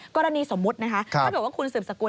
กรณีสมมุตินะคะถ้าเกิดว่าคุณสืบสกุล